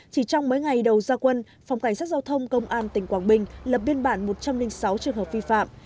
chỉ trong mấy ngày đầu gia quân phòng cảnh sát giao thông công an tỉnh quảng bình lập biên bản một trăm linh sáu trường hợp vi phạm